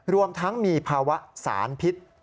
รวมทั้งมีภาวะสารพิษ